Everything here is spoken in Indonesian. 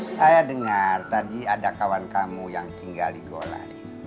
saya dengar tadi ada kawan kamu yang tinggal di gola